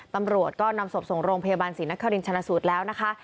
ตำรวจก็นำศพส่งโรงพยาบาลศรีนครินชนะสูตรแล้วนะคะ